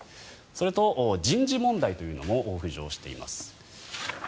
それと人事問題というのも浮上しています。